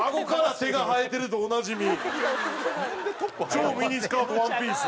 超ミニスカートワンピース。